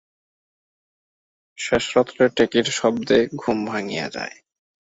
শেষরাত্রে টেকির শব্দে ঘুম ভাঙিয়া যায়।